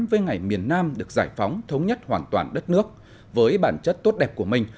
với ngày miền nam được giải phóng thống nhất hoàn toàn đất nước với bản chất tốt đẹp của mình